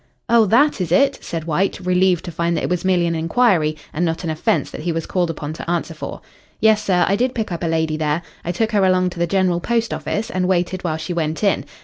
"Oh, that is it?" said White, relieved to find that it was merely an inquiry and not an offence that he was called upon to answer for. "Yes, sir. I did pick up a lady there. I took her along to the General Post Office, and waited while she went in.